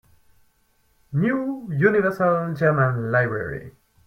New Universal German Library.